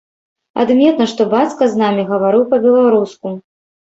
Адметна, што бацька з намі гаварыў па-беларуску.